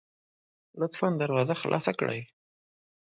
لطفا دروازه خلاصه کړئ